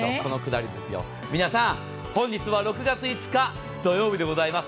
皆さん、本日は６月５日土曜日でございます。